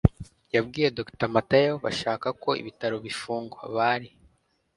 yabwiye dr matayo bashaka ko ibitaro bifungwa. bari